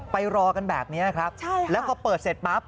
ไปรอกันแบบนี้ครับแล้วพอเปิดเสร็จปั๊บ